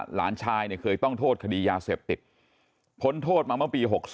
หลานชายเนี่ยเคยต้องโทษคดียาเสพติดพ้นโทษมาเมื่อปี๖๒